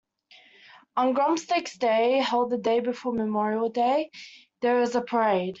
On Grubstakes Day, held the day before Memorial Day, there is a parade.